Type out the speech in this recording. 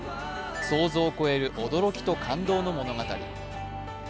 想像を超える驚きと感動の物語。